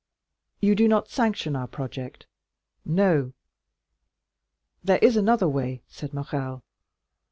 "You do not sanction our project?" "No." "There is another way," said Morrel.